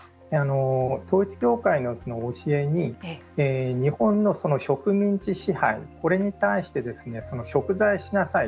統一教会の教えに日本の植民地支配これに対して贖罪しなさい